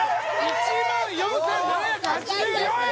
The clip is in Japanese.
１万４７８４円！